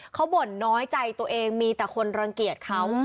เขาบ่นน้อยใจตัวเองมีแต่คนรังเกียจเขา